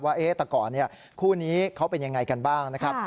ว่าแต่ก่อนคู่นี้เขาเป็นยังไงกันบ้างนะครับ